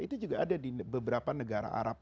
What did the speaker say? itu juga ada di beberapa negara arab